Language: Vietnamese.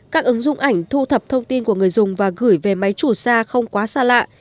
các ứng dụng ảnh thu thập thông tin của người dùng và gửi về máy chủ xe không quá xa lạ